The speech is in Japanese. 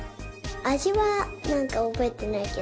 あじはなんかおぼえてないけど。